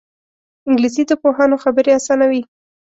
انګلیسي د پوهانو خبرې اسانوي